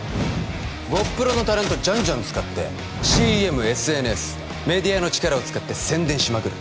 ゴップロのタレントジャンジャン使ってＣＭＳＮＳメディアの力を使って宣伝しまくる